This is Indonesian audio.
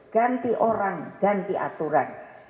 ganti orang ganti aturan